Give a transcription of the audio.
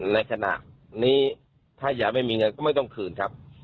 ในขณะนี้ถ้ายายไม่มีเงินก็ไม่ต้องคืนครับ